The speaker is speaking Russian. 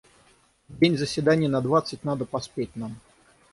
В день заседаний на двадцать надо поспеть нам.